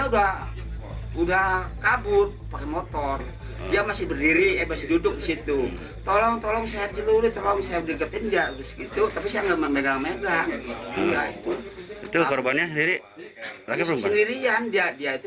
dia sudah kabur pakai motor dia masih berdiri masih duduk di situ